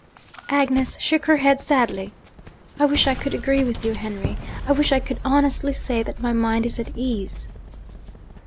Agnes shook her head sadly. 'I wish I could agree with you, Henry I wish I could honestly say that my mind is at ease.'